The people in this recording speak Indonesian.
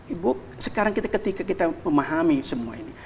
ibu sekarang ketika kita memahami semua ini